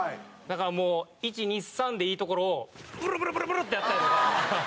だからもう１２３でいいところをブルブルブルブル！ってやったりとか。